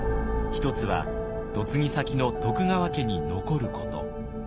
一つは嫁ぎ先の徳川家に残ること。